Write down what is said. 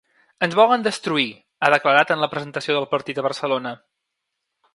Ens volen destruir, ha declarat en la presentació del partit a Barcelona.